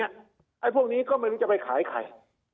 ไอ้พวกนี้ก็ไม่รู้จะไปขายใคร